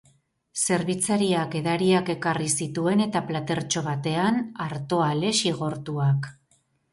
Zerbitzariak edariak ekarri zituen eta platertxo batean arto-ale xigortuak.